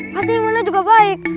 pasti imannya juga baik